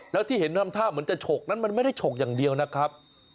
แล้วที่เห็นทำท่าเหมือนจะฉกนั้นมันไม่ได้ฉกอย่างเดียวนะครับ